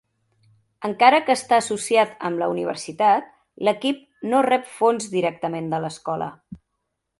Encara que està associat amb la universitat, l'equip no rep fons directament de l'escola.